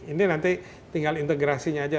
ini nanti tinggal integrasinya aja